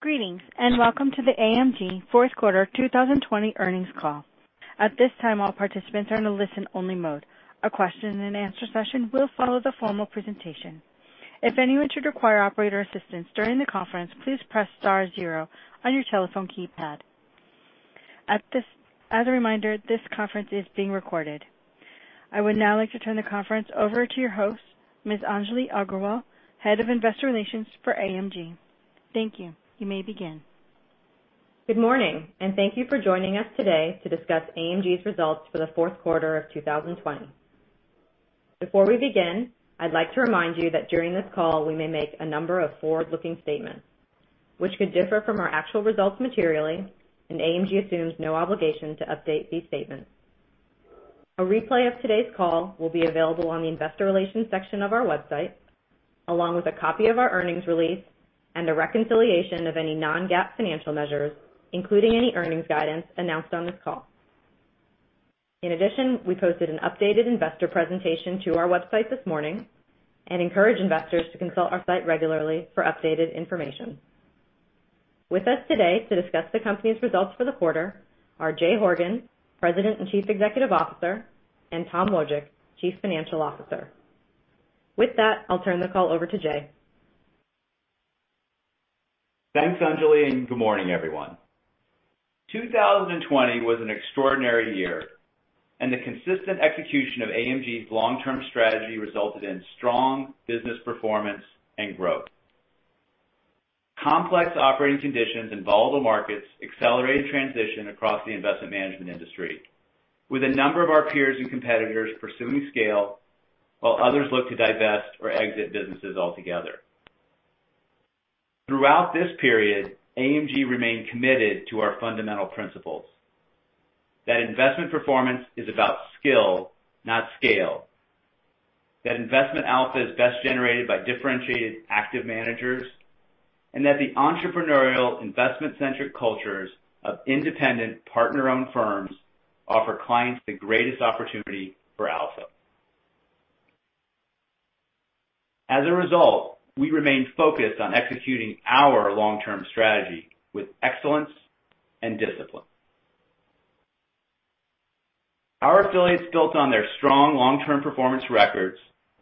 Greetings, and welcome to the AMG fourth quarter 2020 earnings call. At this time, all participants are in a listen-only mode. A question and answer session will follow the formal presentation. If anyone should require operator assistance during the conference, please press star zero on your telephone keypad. As a reminder, this conference is being recorded. I would now like to turn the conference over to your host, Ms. Anjali Aggarwal, Head of Investor Relations for AMG. Thank you. You may begin. Good morning, and thank you for joining us today to discuss AMG's results for the fourth quarter of 2020. Before we begin, I'd like to remind you that during this call, we may make a number of forward-looking statements which could differ from our actual results materially, and AMG assumes no obligation to update these statements. A replay of today's call will be available on the investor relations section of our website, along with a copy of our earnings release and a reconciliation of any non-GAAP financial measures, including any earnings guidance announced on this call. In addition, we posted an updated investor presentation to our website this morning and encourage investors to consult our site regularly for updated information. With us today to discuss the company's results for the quarter are Jay Horgen, President and Chief Executive Officer, and Tom Wojcik, Chief Financial Officer. With that, I'll turn the call over to Jay. Thanks, Anjali, and good morning, everyone. 2020 was an extraordinary year, and the consistent execution of AMG's long-term strategy resulted in strong business performance and growth. Complex operating conditions and volatile markets accelerated transition across the investment management industry, with a number of our peers and competitors pursuing scale, while others look to divest or exit businesses altogether. Throughout this period, AMG remained committed to our fundamental principles, that investment performance is about skill, not scale, that investment alpha is best generated by differentiated active managers, and that the entrepreneurial investment-centric cultures of independent partner-owned firms offer clients the greatest opportunity for alpha. As a result, we remained focused on executing our long-term strategy with excellence and discipline. Our affiliates built on their strong long-term performance records,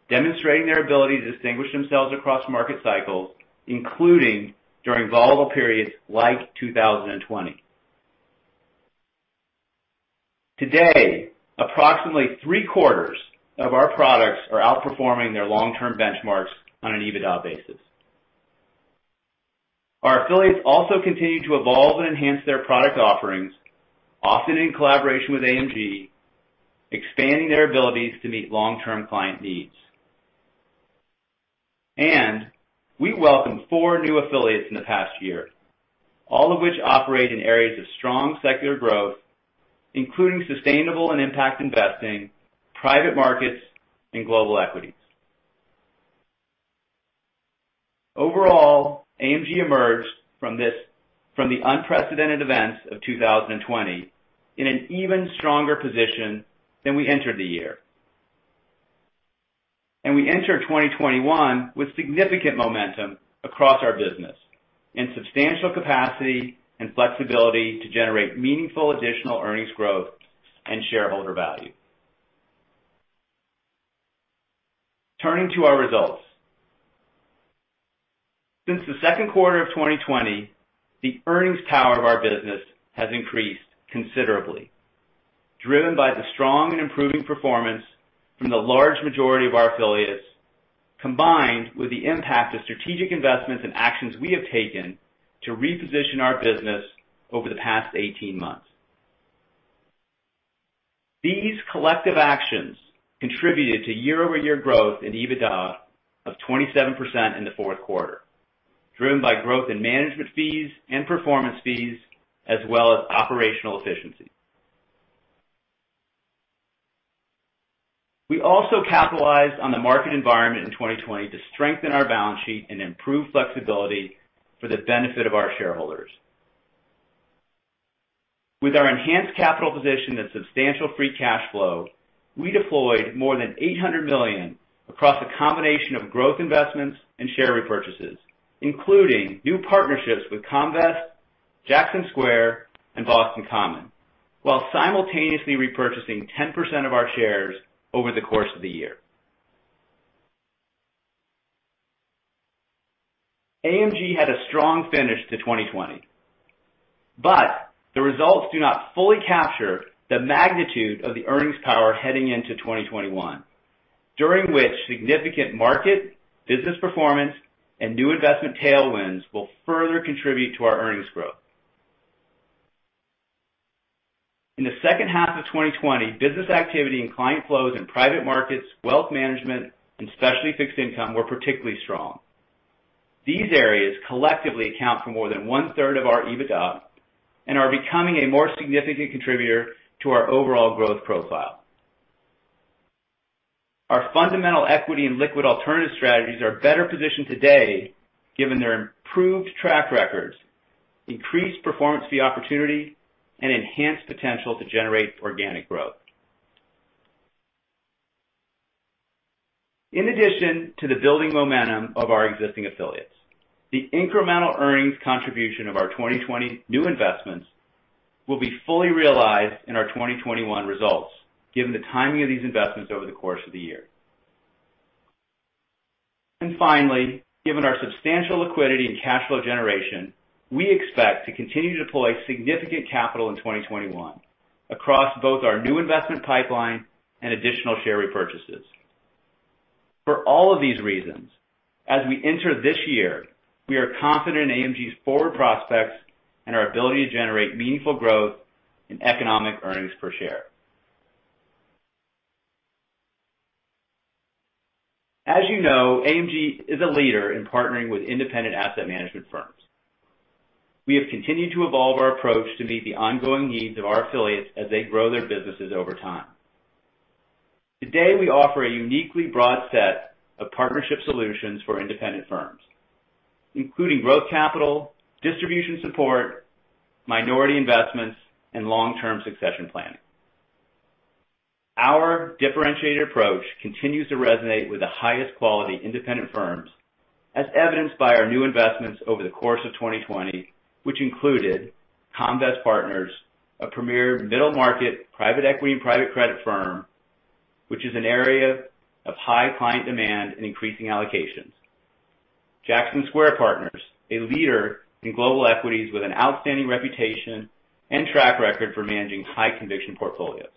demonstrating their ability to distinguish themselves across market cycles, including during volatile periods like 2020. Today, approximately three-quarters of our products are outperforming their long-term benchmarks on an EBITDA basis. Our affiliates also continue to evolve and enhance their product offerings, often in collaboration with AMG, expanding their abilities to meet long-term client needs. We welcomed four new affiliates in the past year, all of which operate in areas of strong secular growth, including sustainable and impact investing, private markets, and global equities. Overall, AMG emerged from the unprecedented events of 2020 in an even stronger position than we entered the year. We enter 2021 with significant momentum across our business and substantial capacity and flexibility to generate meaningful additional earnings growth and shareholder value. Turning to our results. Since the second quarter of 2020, the earnings power of our business has increased considerably, driven by the strong and improving performance from the large majority of our affiliates, combined with the impact of strategic investments and actions we have taken to reposition our business over the past 18 months. These collective actions contributed to year-over-year growth in EBITDA of 27% in the fourth quarter, driven by growth in management fees and performance fees, as well as operational efficiency. We also capitalized on the market environment in 2020 to strengthen our balance sheet and improve flexibility for the benefit of our shareholders. With our enhanced capital position and substantial free cash flow, we deployed more than $800 million across a combination of growth investments and share repurchases, including new partnerships with Comvest, Jackson Square, and Boston Common, while simultaneously repurchasing 10% of our shares over the course of the year. AMG had a strong finish to 2020, but the results do not fully capture the magnitude of the earnings power heading into 2021, during which significant market, business performance, and new investment tailwinds will further contribute to our earnings growth. In the second half of 2020, business activity and client flows in private markets, wealth management, and specialty fixed income were particularly strong. These areas collectively account for more than one-third of our EBITDA and are becoming a more significant contributor to our overall growth profile. Our fundamental equity and liquid alternative strategies are better positioned today, given their improved track records, increased performance fee opportunity, and enhanced potential to generate organic growth. In addition to the building momentum of our existing affiliates, the incremental earnings contribution of our 2020 new investments will be fully realized in our 2021 results, given the timing of these investments over the course of the year. Finally, given our substantial liquidity and cash flow generation, we expect to continue to deploy significant capital in 2021 across both our new investment pipeline and additional share repurchases. For all of these reasons, as we enter this year, we are confident in AMG's forward prospects and our ability to generate meaningful growth in economic earnings per share. As you know, AMG is a leader in partnering with independent asset management firms. We have continued to evolve our approach to meet the ongoing needs of our affiliates as they grow their businesses over time. Today, we offer a uniquely broad set of partnership solutions for independent firms, including growth capital, distribution support, minority investments, and long-term succession planning. Our differentiated approach continues to resonate with the highest quality independent firms, as evidenced by our new investments over the course of 2020, which included Comvest Partners, a premier middle-market private equity and private credit firm, which is an area of high client demand and increasing allocations. Jackson Square Partners, a leader in global equities with an outstanding reputation and track record for managing high-conviction portfolios.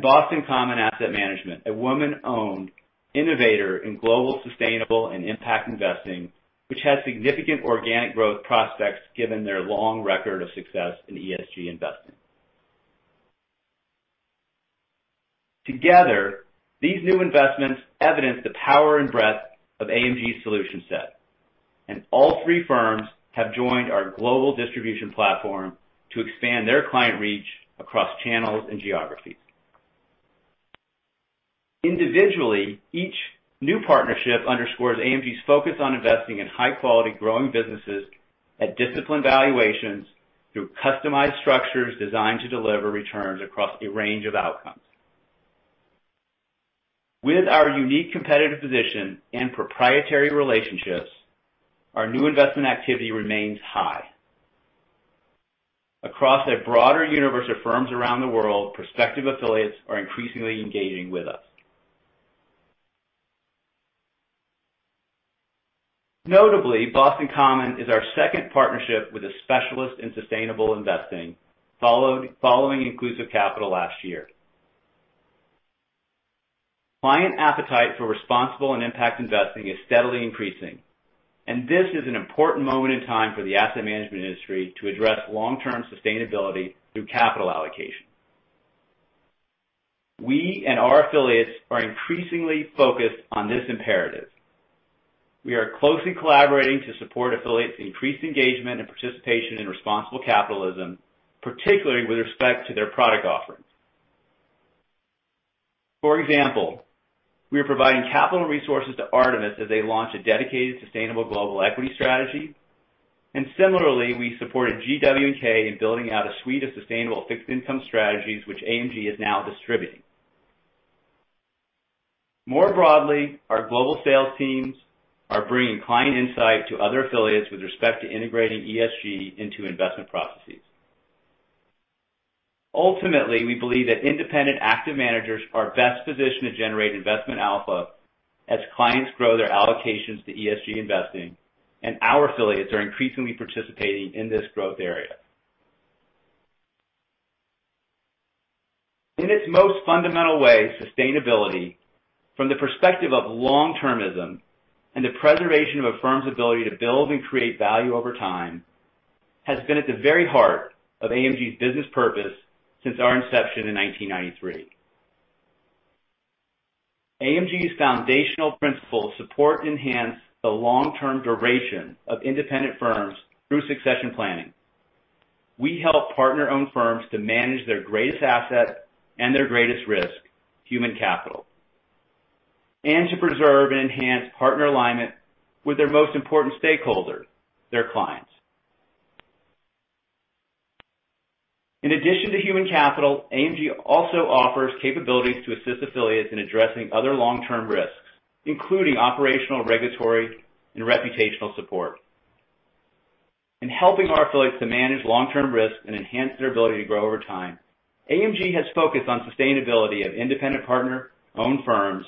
Boston Common Asset Management, a woman-owned innovator in global sustainable and impact investing, which has significant organic growth prospects given their long record of success in ESG investing. Together, these new investments evidence the power and breadth of AMG's solution set, and all three firms have joined our global distribution platform to expand their client reach across channels and geographies. Individually, each new partnership underscores AMG's focus on investing in high-quality, growing businesses at disciplined valuations through customized structures designed to deliver returns across a range of outcomes. With our unique competitive position and proprietary relationships, our new investment activity remains high. Across a broader universe of firms around the world, prospective affiliates are increasingly engaging with us. Notably, Boston Common is our second partnership with a specialist in sustainable investing, following Inclusive Capital last year. This is an important moment in time for the asset management industry to address long-term sustainability through capital allocation. We and our affiliates are increasingly focused on this imperative. We are closely collaborating to support affiliates' increased engagement and participation in responsible capitalism, particularly with respect to their product offerings. For example, we are providing capital resources to Artemis as they launch a dedicated sustainable global equity strategy. Similarly, we supported GW&K in building out a suite of sustainable fixed income strategies, which AMG is now distributing. More broadly, our global sales teams are bringing client insight to other affiliates with respect to integrating ESG into investment processes. Ultimately, we believe that independent active managers are best positioned to generate investment alpha as clients grow their allocations to ESG investing, and our affiliates are increasingly participating in this growth area. In its most fundamental way, sustainability, from the perspective of long-termism and the preservation of a firm's ability to build and create value over time, has been at the very heart of AMG's business purpose since our inception in 1993. AMG's foundational principles support and enhance the long-term duration of independent firms through succession planning. We help partner-owned firms to manage their greatest asset and their greatest risk, human capital, and to preserve and enhance partner alignment with their most important stakeholder, their clients. In addition to human capital, AMG also offers capabilities to assist affiliates in addressing other long-term risks, including operational, regulatory, and reputational support. In helping our affiliates to manage long-term risks and enhance their ability to grow over time, AMG has focused on sustainability of independent partner-owned firms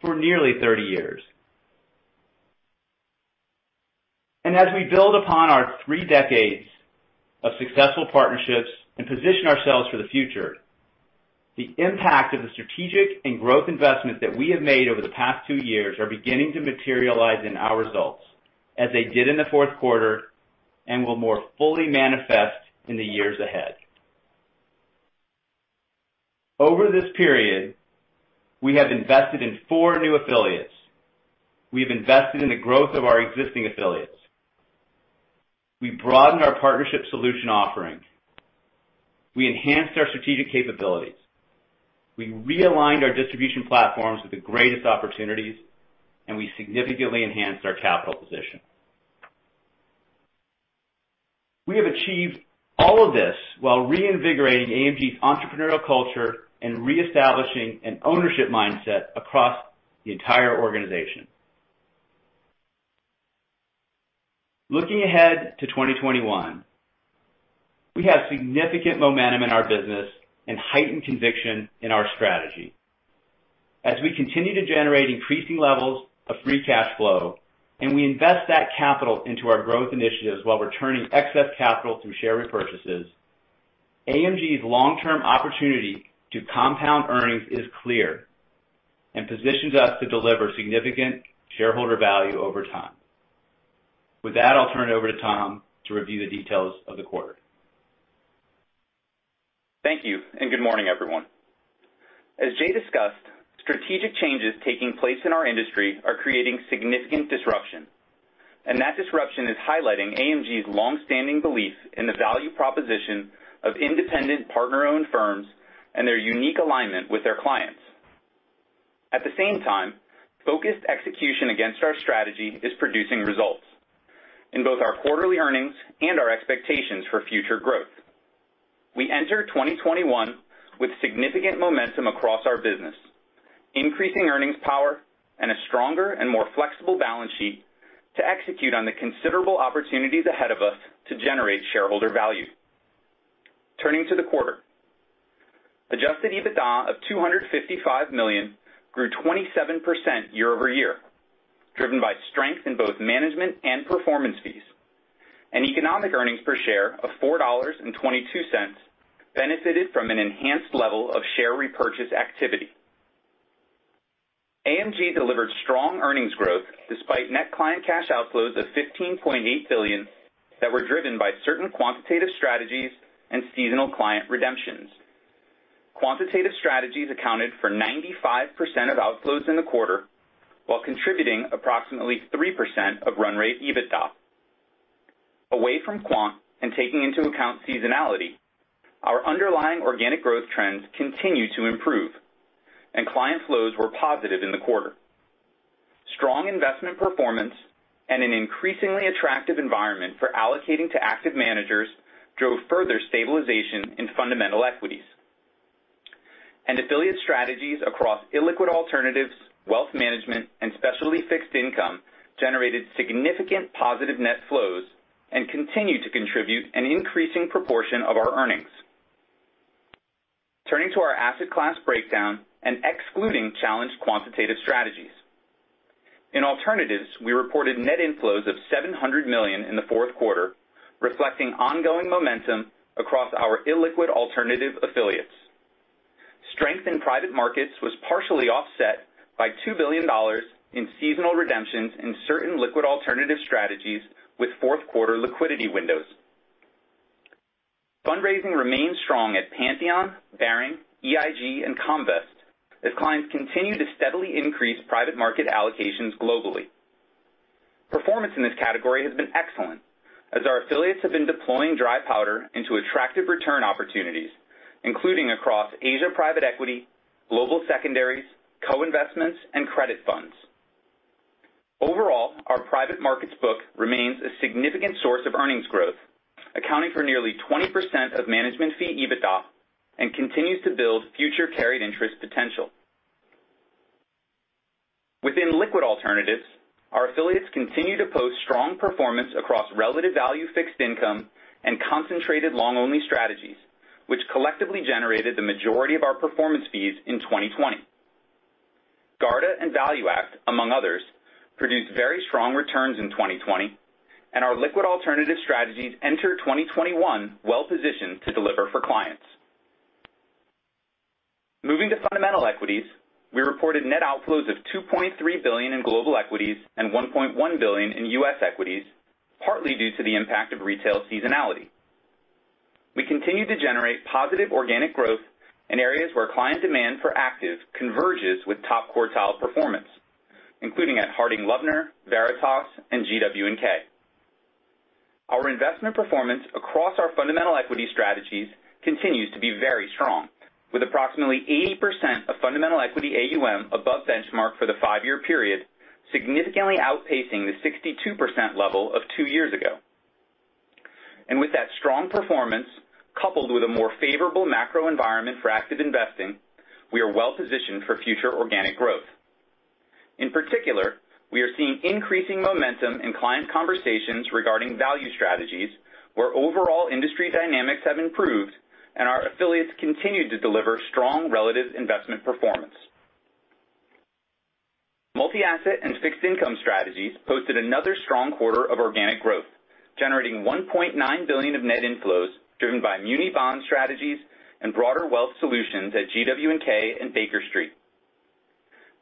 for nearly 30 years. As we build upon our three decades of successful partnerships and position ourselves for the future, the impact of the strategic and growth investments that we have made over the past two years are beginning to materialize in our results, as they did in the fourth quarter and will more fully manifest in the years ahead. Over this period, we have invested in four new affiliates. We have invested in the growth of our existing affiliates. We broadened our partnership solution offering. We enhanced our strategic capabilities. We realigned our distribution platforms with the greatest opportunities, and we significantly enhanced our capital position. We have achieved all of this while reinvigorating AMG's entrepreneurial culture and reestablishing an ownership mindset across the entire organization. Looking ahead to 2021, we have significant momentum in our business and heightened conviction in our strategy. As we continue to generate increasing levels of free cash flow, and we invest that capital into our growth initiatives while returning excess capital through share repurchases, AMG's long-term opportunity to compound earnings is clear and positions us to deliver significant shareholder value over time. With that, I'll turn it over to Tom to review the details of the quarter. Thank you. Good morning, everyone. As Jay discussed, strategic changes taking place in our industry are creating significant disruption, and that disruption is highlighting AMG's longstanding belief in the value proposition of independent partner-owned firms and their unique alignment with their clients. At the same time, focused execution against our strategy is producing results in both our quarterly earnings and our expectations for future growth. We enter 2021 with significant momentum across our business, increasing earnings power, and a stronger and more flexible balance sheet to execute on the considerable opportunities ahead of us to generate shareholder value. Turning to the quarter. Adjusted EBITDA of $255 million grew 27% year-over-year, driven by strength in both management and performance fees. Economic earnings per share of $4.22 benefited from an enhanced level of share repurchase activity. AMG delivered strong earnings growth despite net client cash outflows of $15.8 billion that were driven by certain quantitative strategies and seasonal client redemptions. Quantitative strategies accounted for 95% of outflows in the quarter while contributing approximately 3% of run rate EBITDA. Away from quant and taking into account seasonality, our underlying organic growth trends continue to improve, client flows were positive in the quarter. Strong investment performance and an increasingly attractive environment for allocating to active managers drove further stabilization in fundamental equities. Affiliate strategies across illiquid alternatives, wealth management, and specialty fixed income generated significant positive net flows and continue to contribute an increasing proportion of our earnings. Turning to our asset class breakdown and excluding challenged quantitative strategies. In alternatives, we reported net inflows of $700 million in the fourth quarter, reflecting ongoing momentum across our illiquid alternative affiliates. Strength in private markets was partially offset by $2 billion in seasonal redemptions in certain liquid alternative strategies with fourth quarter liquidity windows. Fundraising remains strong at Pantheon, Baring, EIG, and Comvest as clients continue to steadily increase private market allocations globally. Performance in this category has been excellent, as our affiliates have been deploying dry powder into attractive return opportunities, including across Asia private equity, global secondaries, co-investments, and credit funds. Overall, our private markets book remains a significant source of earnings growth, accounting for nearly 20% of management fee EBITDA and continues to build future carried interest potential. Within liquid alternatives, our affiliates continue to post strong performance across relative value fixed income and concentrated long-only strategies, which collectively generated the majority of our performance fees in 2020. Garda and ValueAct, among others, produced very strong returns in 2020, and our liquid alternative strategies enter 2021 well-positioned to deliver for clients. Moving to fundamental equities, we reported net outflows of $2.3 billion in global equities and $1.1 billion in U.S. equities, partly due to the impact of retail seasonality. We continue to generate positive organic growth in areas where client demand for active converges with top-quartile performance, including at Harding Loevner, Veritas, and GW&K. Our investment performance across our fundamental equity strategies continues to be very strong, with approximately 80% of fundamental equity AUM above benchmark for the five-year period, significantly outpacing the 62% level of two years ago. With that strong performance, coupled with a more favorable macro environment for active investing, we are well positioned for future organic growth. In particular, we are seeing increasing momentum in client conversations regarding value strategies, where overall industry dynamics have improved and our affiliates continue to deliver strong relative investment performance. Multi-asset and fixed income strategies posted another strong quarter of organic growth, generating $1.9 billion of net inflows, driven by muni bond strategies and broader wealth solutions at GW&K and Baker Street.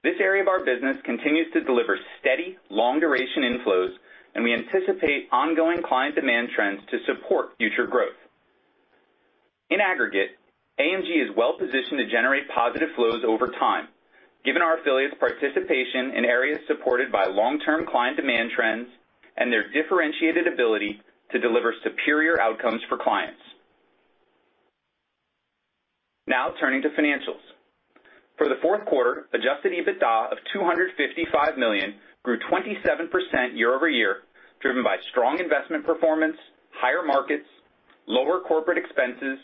This area of our business continues to deliver steady, long-duration inflows, and we anticipate ongoing client demand trends to support future growth. In aggregate, AMG is well positioned to generate positive flows over time, given our affiliates' participation in areas supported by long-term client demand trends and their differentiated ability to deliver superior outcomes for clients. Now turning to financials. For the fourth quarter, adjusted EBITDA of $255 million grew 27% year-over-year, driven by strong investment performance, higher markets, lower corporate expenses,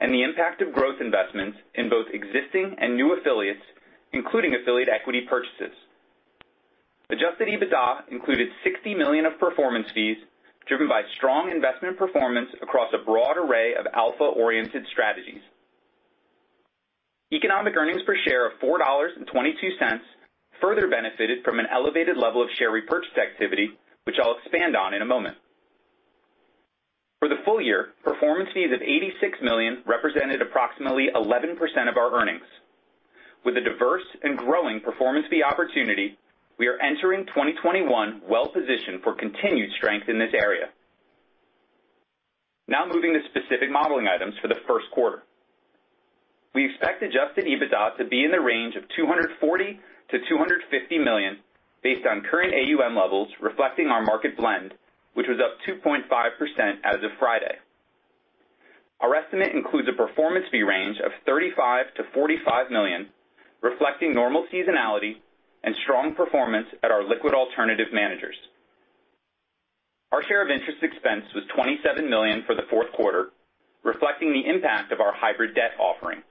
and the impact of growth investments in both existing and new affiliates, including affiliate equity purchases. Adjusted EBITDA included $60 million of performance fees driven by strong investment performance across a broad array of alpha-oriented strategies. Economic earnings per share of $4.22 further benefited from an elevated level of share repurchase activity, which I'll expand on in a moment. For the full year, performance fees of $86 million represented approximately 11% of our earnings. With a diverse and growing performance fee opportunity, we are entering 2021 well-positioned for continued strength in this area. Moving to specific modeling items for the first quarter. We expect adjusted EBITDA to be in the range of $240 to 250 million, based on current AUM levels reflecting our market blend, which was up 2.5% as of Friday. Our estimate includes a performance fee range of $35 to 45 million, reflecting normal seasonality and strong performance at our liquid alternative managers. Our share of interest expense was $27 million for the fourth quarter, reflecting the impact of our hybrid debt offering.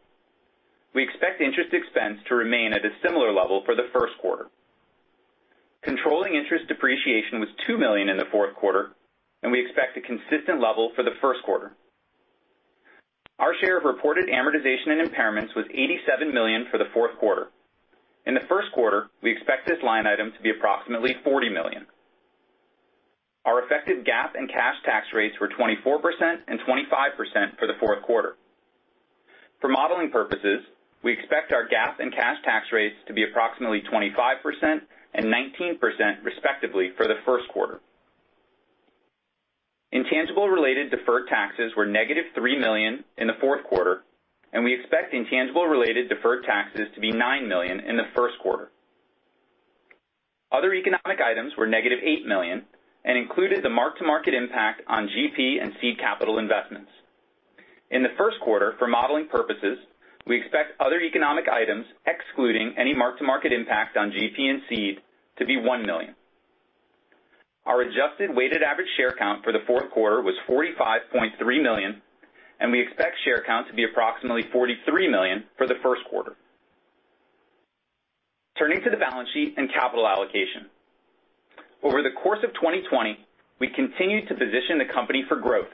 We expect interest expense to remain at a similar level for the first quarter. Controlling interest depreciation was $2 million in the fourth quarter, and we expect a consistent level for the first quarter. Our share of reported amortization and impairments was $87 million for the fourth quarter. In the first quarter, we expect this line item to be approximately $40 million. Our effective GAAP and cash tax rates were 24% and 25% for the fourth quarter. For modeling purposes, we expect our GAAP and cash tax rates to be approximately 25% and 19%, respectively, for the first quarter. Intangible-related deferred taxes were negative $3 million in the fourth quarter, and we expect intangible-related deferred taxes to be $9 million in the first quarter. Other economic items were negative $8 million and included the mark-to-market impact on GP and seed capital investments. In the first quarter, for modeling purposes, we expect other economic items, excluding any mark-to-market impact on GP and seed, to be $1 million. Our adjusted weighted average share count for the fourth quarter was 45.3 million, and we expect share count to be approximately 43 million for the first quarter. Turning to the balance sheet and capital allocation. Over the course of 2020, we continued to position the company for growth,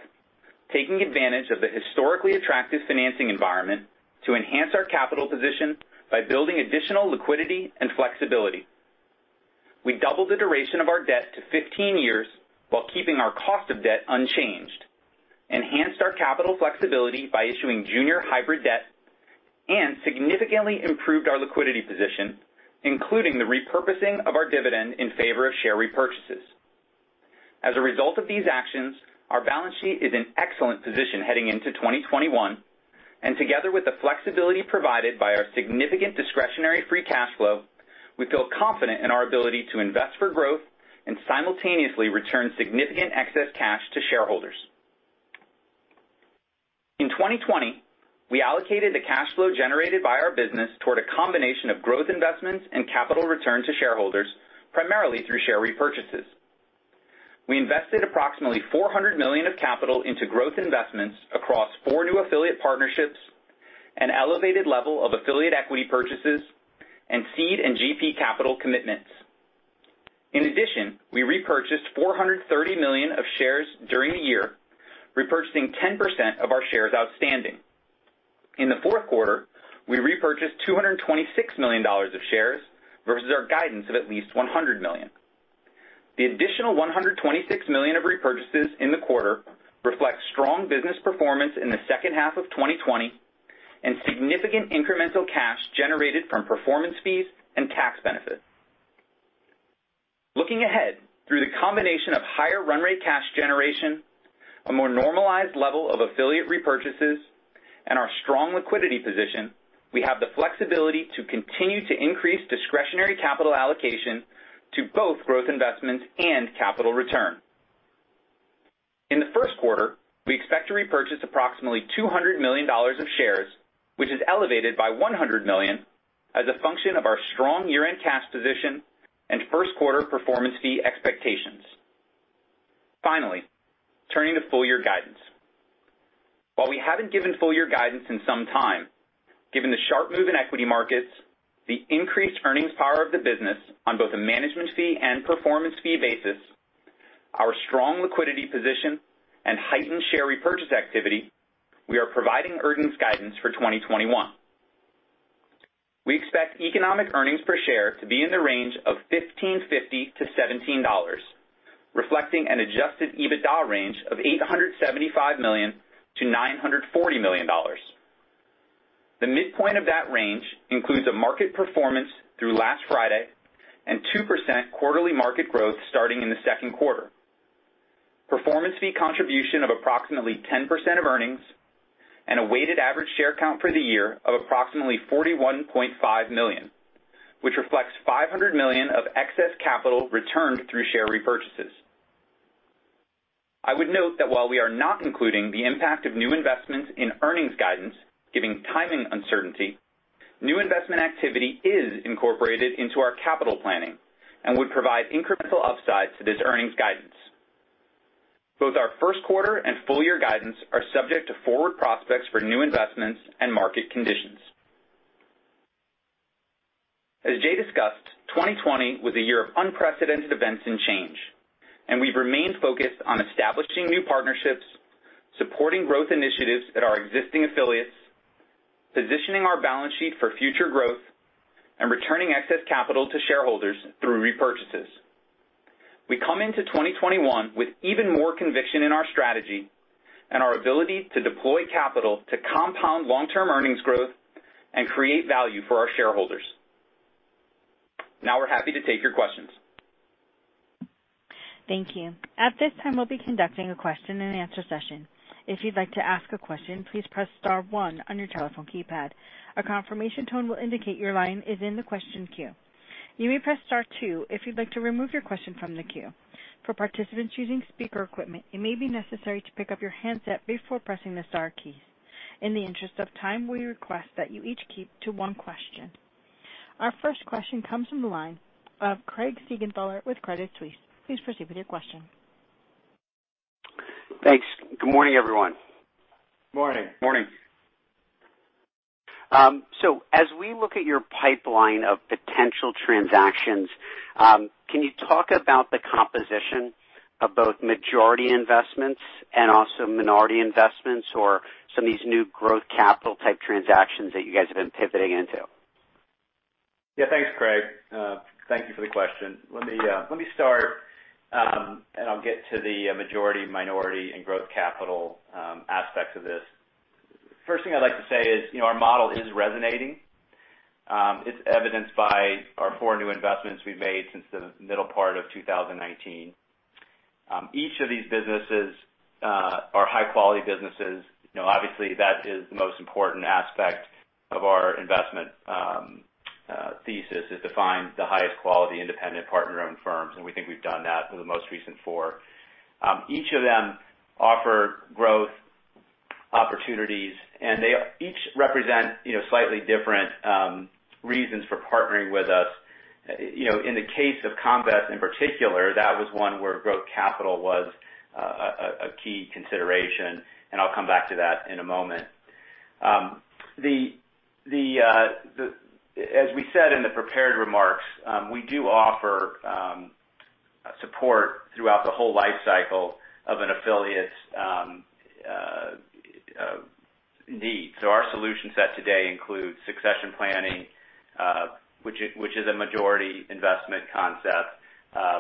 taking advantage of the historically attractive financing environment to enhance our capital position by building additional liquidity and flexibility. We doubled the duration of our debt to 15 years while keeping our cost of debt unchanged, enhanced our capital flexibility by issuing junior hybrid debt, and significantly improved our liquidity position, including the repurposing of our dividend in favor of share repurchases. As a result of these actions, our balance sheet is in excellent position heading into 2021, and together with the flexibility provided by our significant discretionary free cash flow, we feel confident in our ability to invest for growth and simultaneously return significant excess cash to shareholders. In 2020, we allocated the cash flow generated by our business toward a combination of growth investments and capital return to shareholders, primarily through share repurchases. We invested approximately $400 million of capital into growth investments across four new affiliate partnerships, an elevated level of affiliate equity purchases, and seed and GP capital commitments. In addition, we repurchased $430 million of shares during the year, repurchasing 10% of our shares outstanding. In the fourth quarter, we repurchased $226 million of shares versus our guidance of at least $100 million. The additional $126 million of repurchases in the quarter reflects strong business performance in the second half of 2020 and significant incremental cash generated from performance fees and tax benefits. Looking ahead, through the combination of higher run rate cash generation, a more normalized level of affiliate repurchases, and our strong liquidity position, we have the flexibility to continue to increase discretionary capital allocation to both growth investments and capital return. In the first quarter, we expect to repurchase approximately $200 million of shares, which is elevated by $100 million as a function of our strong year-end cash position and first quarter performance fee expectations. Turning to full-year guidance. We haven't given full-year guidance in some time, given the sharp move in equity markets, the increased earnings power of the business on both a management fee and performance fee basis, our strong liquidity position, and heightened share repurchase activity, we are providing earnings guidance for 2021. We expect economic earnings per share to be in the range of $15.50 to $17, reflecting an adjusted EBITDA range of $875 to 940 million. The midpoint of that range includes a market performance through last Friday and 2% quarterly market growth starting in the second quarter, performance fee contribution of approximately 10% of earnings, and a weighted average share count for the year of approximately 41.5 million, which reflects $500 million of excess capital returned through share repurchases. I would note that while we are not including the impact of new investments in earnings guidance, giving timing uncertainty, new investment activity is incorporated into our capital planning and would provide incremental upside to this earnings guidance. Both our first quarter and full year guidance are subject to forward prospects for new investments and market conditions. As Jay discussed, 2020 was a year of unprecedented events and change, and we've remained focused on establishing new partnerships, supporting growth initiatives at our existing affiliates, positioning our balance sheet for future growth, and returning excess capital to shareholders through repurchases. We come into 2021 with even more conviction in our strategy and our ability to deploy capital to compound long-term earnings growth and create value for our shareholders. Now we're happy to take your questions. Thank you. At this time, we'll be conducting a question and answer session. If you'd like to ask a question, please press star one on your telephone keypad. A confirmation tone will indicate your line is in the question queue. You may press star two if you'd like to remove your question from the queue. For participants using speaker equipment, it may be necessary to pick up your handset before pressing the star keys. In the interest of time, we request that you each keep to one question. Our first question comes from the line of Craig Siegenthaler with Credit Suisse. Please proceed with your question. Thanks. Good morning, everyone. Morning. Morning. As we look at your pipeline of potential transactions, can you talk about the composition of both majority investments and also minority investments or some of these new growth capital type transactions that you guys have been pivoting into? Yeah. Thanks, Craig. Thank you for the question. Let me start, and I'll get to the majority, minority, and growth capital aspect of this. First thing I'd like to say is our model is resonating. It's evidenced by our four new investments we've made since the middle part of 2019. Each of these businesses are high-quality businesses. Obviously, that is the most important aspect of our investment thesis is to find the highest quality independent partner-owned firms, and we think we've done that for the most recent four. Each of them offer growth opportunities, and they each represent slightly different reasons for partnering with us. In the case of Comvest in particular, that was one where growth capital was a key consideration, and I'll come back to that in a moment. As we said in the prepared remarks, we do offer support throughout the whole life cycle of an affiliate's needs. Our solution set today includes succession planning which is a majority investment concept.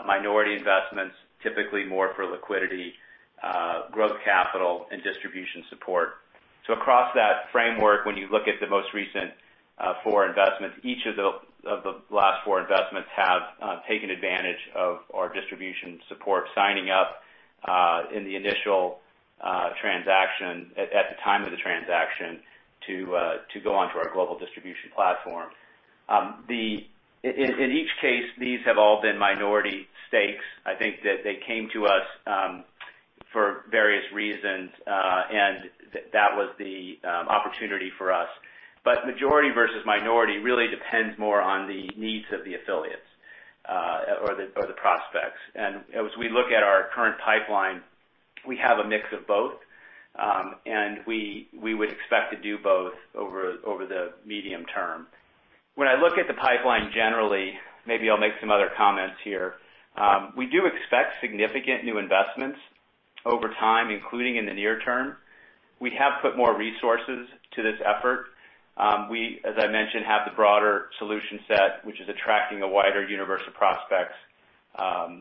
Minority investments, typically more for liquidity, growth capital, and distribution support. Across that framework, when you look at the most recent four investments, each of the last four investments have taken advantage of our distribution support signing up in the initial transaction at the time of the transaction to go onto our global distribution platform. In each case, these have all been minority stakes. I think that they came to us for various reasons, and that was the opportunity for us. Majority versus minority really depends more on the needs of the affiliates or the prospects. As we look at our current pipeline, we have a mix of both, and we would expect to do both over the medium term. When I look at the pipeline generally, maybe I'll make some other comments here. We do expect significant new investments over time, including in the near term. We have put more resources to this effort. We, as I mentioned, have the broader solution set, which is attracting a wider universe of prospects,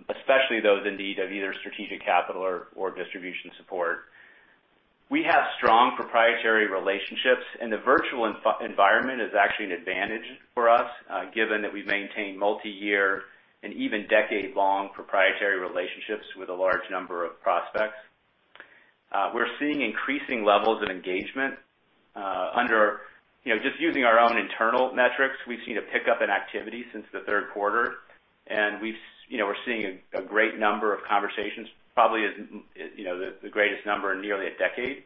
especially those in need of either strategic capital or distribution support. We have strong proprietary relationships, and the virtual environment is actually an advantage for us, given that we maintain multi-year and even decade-long proprietary relationships with a large number of prospects. We're seeing increasing levels of engagement. Just using our own internal metrics, we've seen a pickup in activity since the third quarter, and we're seeing a great number of conversations, probably the greatest number in nearly a decade.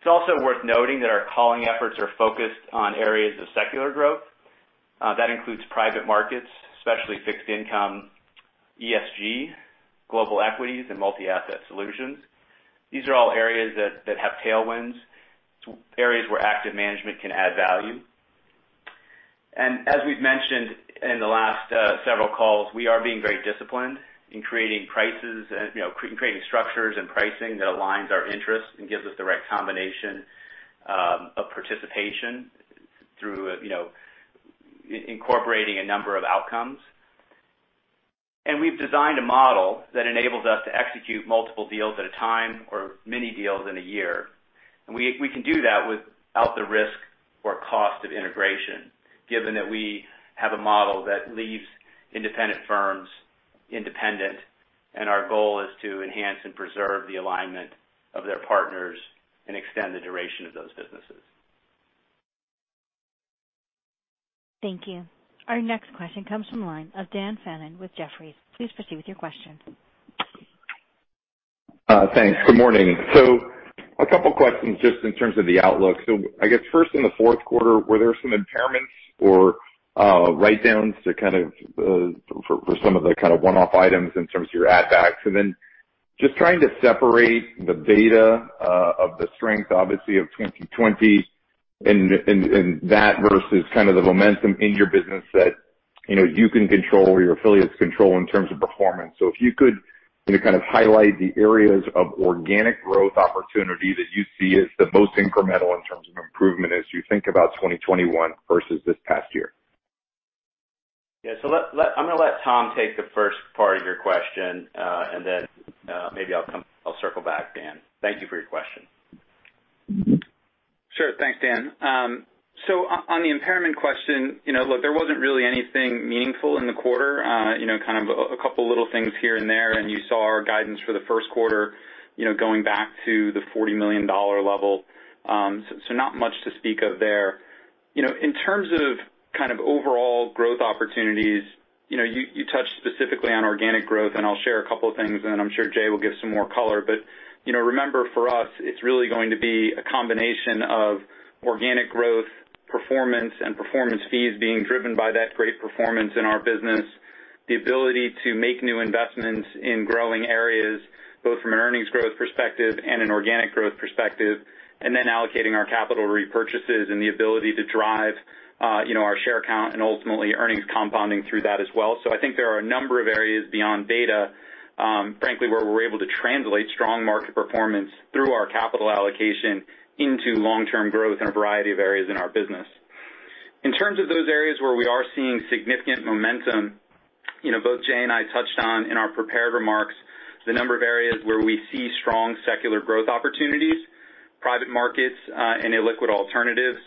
It's also worth noting that our calling efforts are focused on areas of secular growth. That includes private markets, especially fixed income, ESG, global equities, and multi-asset solutions. These are all areas that have tailwinds, areas where active management can add value. As we've mentioned in the last several calls, we are being very disciplined in creating structures and pricing that aligns our interests and gives us the right combination of participation through incorporating a number of outcomes. We've designed a model that enables us to execute multiple deals at a time or many deals in a year. We can do that without the risk or cost of integration, given that we have a model that leaves independent firms independent, and our goal is to enhance and preserve the alignment of their partners and extend the duration of those businesses. Thank you. Our next question comes from the line of Dan Fannon with Jefferies. Please proceed with your question. Thanks. Good morning. A couple questions just in terms of the outlook. I guess first in the fourth quarter, were there some impairments or write-downs for some of the one-off items in terms of your add backs? Just trying to separate the data of the strength, obviously, of 2020 and that versus the momentum in your business that you can control or your affiliates control in terms of performance. If you could highlight the areas of organic growth opportunity that you see as the most incremental in terms of improvement as you think about 2021 versus this past year. Yeah. I'm going to let Tom take the first part of your question, and then maybe I'll circle back, Dan. Thank you for your question. Sure. Thanks, Dan. On the impairment question, look, there wasn't really anything meaningful in the quarter. A couple little things here and there, and you saw our guidance for the first quarter going back to the $40 million level. Not much to speak of there. In terms of overall growth opportunities, you touched specifically on organic growth, and I'll share a couple of things, and then I'm sure Jay will give some more color. Remember, for us, it's really going to be a combination of organic growth performance and performance fees being driven by that great performance in our business, the ability to make new investments in growing areas, both from an earnings growth perspective and an organic growth perspective, and then allocating our capital repurchases and the ability to drive our share count and ultimately earnings compounding through that as well. I think there are a number of areas beyond data, frankly, where we're able to translate strong market performance through our capital allocation into long-term growth in a variety of areas in our business. In terms of those areas where we are seeing significant momentum, both Jay and I touched on in our prepared remarks the number of areas where we see strong secular growth opportunities, private markets, and illiquid alternatives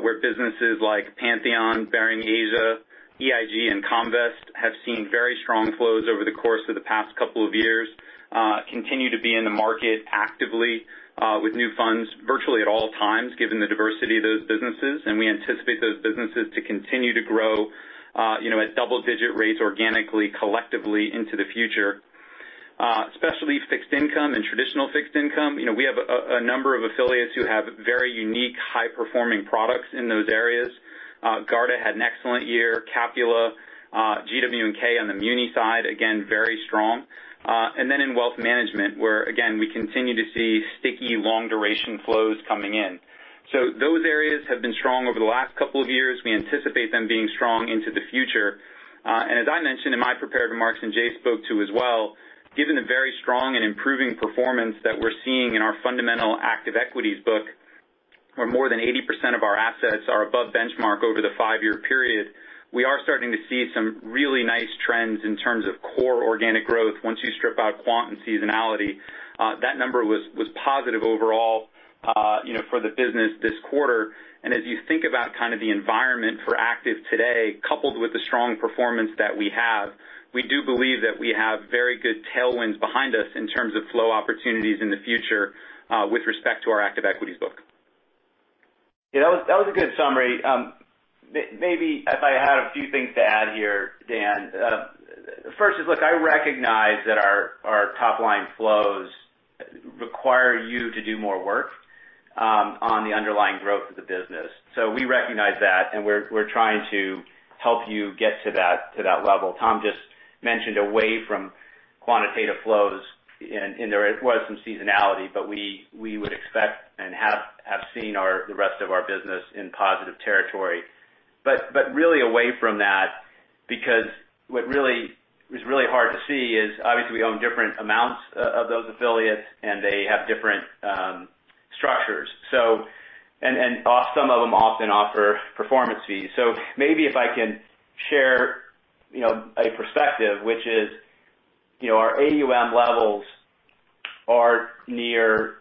where businesses like Pantheon, Baring Asia, EIG, and Comvest have seen very strong flows over the course of the past couple of years continue to be in the market actively with new funds virtually at all times, given the diversity of those businesses. We anticipate those businesses to continue to grow at double-digit rates organically, collectively into the future, especially fixed income and traditional fixed income. We have a number of affiliates who have very unique, high-performing products in those areas. Garda had an excellent year. Capula, GW&K on the muni side, again, very strong. In wealth management, where again, we continue to see sticky, long-duration flows coming in. Those areas have been strong over the last couple of years. We anticipate them being strong into the future. As I mentioned in my prepared remarks, and Jay Horgen spoke to as well, given the very strong and improving performance that we're seeing in our fundamental active equities book, where more than 80% of our assets are above benchmark over the five-year period, we are starting to see some really nice trends in terms of core organic growth once you strip out quant and seasonality. That number was positive overall for the business this quarter. As you think about the environment for active today, coupled with the strong performance that we have, we do believe that we have very good tailwinds behind us in terms of flow opportunities in the future with respect to our active equities book. Yeah, that was a good summary. Maybe if I had a few things to add here, Dan. First is, look, I recognize that our top-line flows require you to do more work on the underlying growth of the business. We recognize that, and we're trying to help you get to that level. Tom just mentioned away from quantitative flows, and there was some seasonality, but we would expect and have seen the rest of our business in positive territory. Really away from that because what was really hard to see is obviously we own different amounts of those affiliates and they have different structures. Some of them often offer performance fees. Maybe if I can share a perspective, which is our AUM levels are near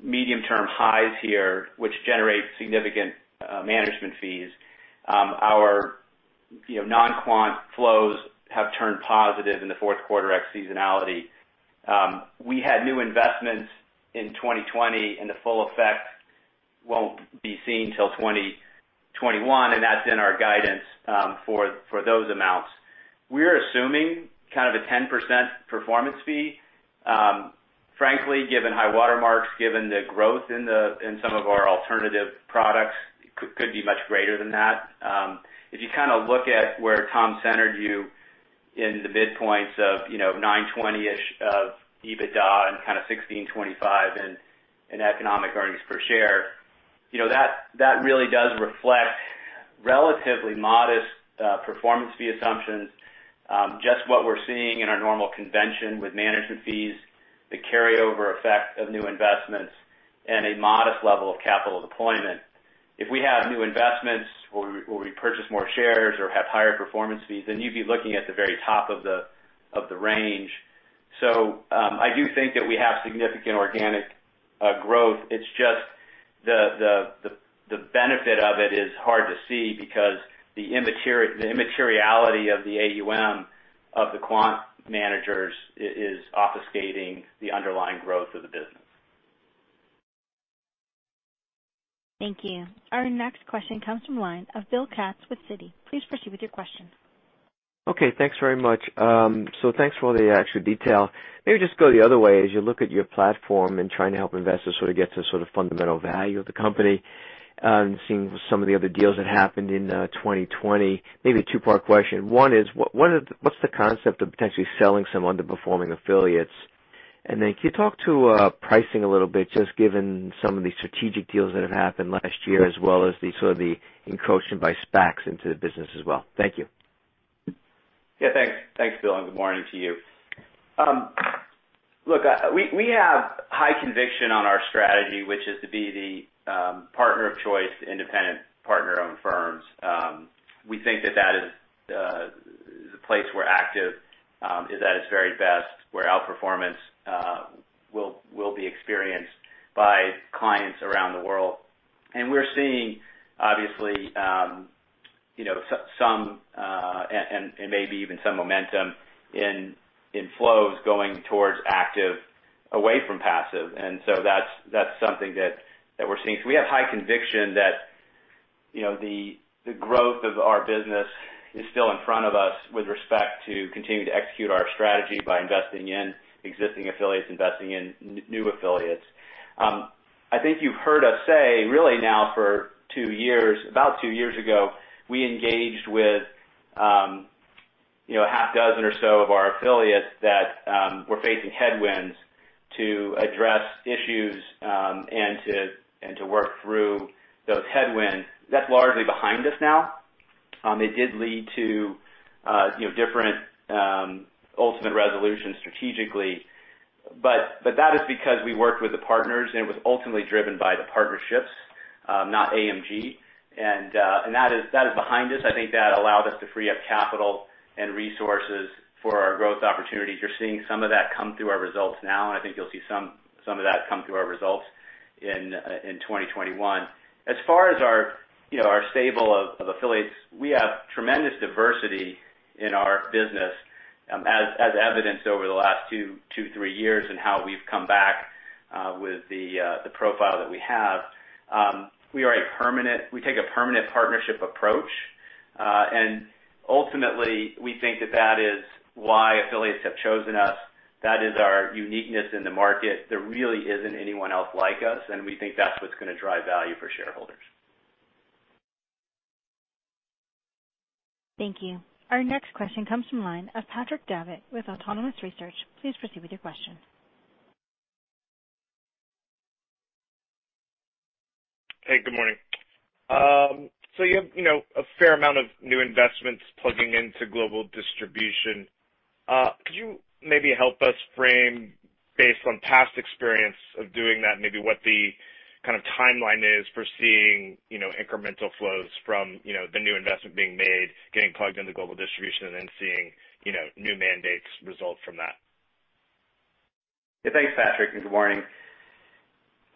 medium-term highs here, which generate significant management fees. Our non-quant flows have turned positive in the fourth quarter ex seasonality. We had new investments in 2020. The full effect won't be seen until 2021. That's in our guidance for those amounts. We're assuming kind of a 10% performance fee. Frankly, given high water marks, given the growth in some of our alternative products, could be much greater than that. If you look at where Tom centered you in the midpoints of $920-ish of EBITDA and kind of $16.25 in economic earnings per share. That really does reflect relatively modest performance fee assumptions. What we're seeing in our normal convention with management fees, the carryover effect of new investments, and a modest level of capital deployment. If we have new investments where we purchase more shares or have higher performance fees, you'd be looking at the very top of the range. I do think that we have significant organic growth. It's just the benefit of it is hard to see because the immateriality of the AUM of the quant managers is obfuscating the underlying growth of the business. Thank you. Our next question comes from the line of Bill Katz with Citi. Please proceed with your question. Okay. Thanks very much. Thanks for all the extra detail. Maybe just go the other way, as you look at your platform and trying to help investors sort of get to fundamental value of the company, and seeing some of the other deals that happened in 2020, maybe a two-part question. One is, what's the concept of potentially selling some under-performing affiliates? Can you talk to pricing a little bit, just given some of the strategic deals that have happened last year as well as the sort of the encroaching by SPACs into the business as well? Thank you. Yeah, thanks Bill, good morning to you. Look, we have high conviction on our strategy, which is to be the partner of choice to independent partner-owned firms. We think that that is the place where active is at its very best, where out-performance will be experienced by clients around the world. We're seeing, obviously, and maybe even some momentum in flows going towards active away from passive. That's something that we're seeing. We have high conviction that the growth of our business is still in front of us with respect to continuing to execute our strategy by investing in existing affiliates, investing in new affiliates. I think you've heard us say really now for two years, about two years ago, we engaged with a half dozen or so of our affiliates that were facing headwinds to address issues, and to work through those headwinds. That's largely behind us now. It did lead to different ultimate resolutions strategically. That is because we worked with the partners, and it was ultimately driven by the partnerships, not AMG. That is behind us. I think that allowed us to free up capital and resources for our growth opportunities. You're seeing some of that come through our results now, and I think you'll see some of that come through our results in 2021. As far as our stable of affiliates, we have tremendous diversity in our business, as evidenced over the last two, three years and how we've come back with the profile that we have. We take a permanent partnership approach. Ultimately, we think that that is why affiliates have chosen us. That is our uniqueness in the market. There really isn't anyone else like us, and we think that's what's going to drive value for shareholders. Thank you. Our next question comes from the line of Patrick Davitt with Autonomous Research. Please proceed with your question. Hey, good morning. You have a fair amount of new investments plugging into global distribution. Could you maybe help us frame based on past experience of doing that, maybe what the kind of timeline is for seeing incremental flows from the new investment being made, getting plugged into global distribution, and then seeing new mandates result from that? Yeah. Thanks, Patrick, and good morning.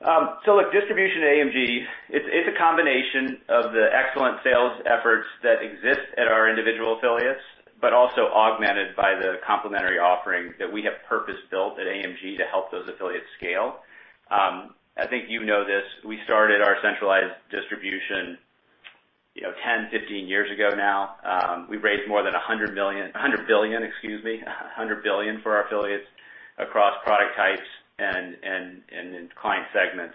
Look, distribution at AMG, it's a combination of the excellent sales efforts that exist at our individual affiliates, but also augmented by the complementary offerings that we have purpose-built at AMG to help those affiliates scale. I think you know this, we started our centralized distribution 10, 15 years ago now. We've raised more than $100 billion for our affiliates across product types and in client segments.